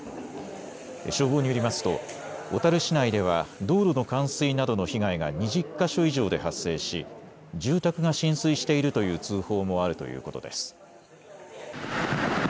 消防によりますと小樽市内では道路の冠水などの被害が２０か所以上で発生し住宅が浸水しているという通報もあるということです。